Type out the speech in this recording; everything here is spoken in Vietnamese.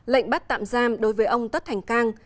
lệnh bắt tạm giam đối với ông tất thành cang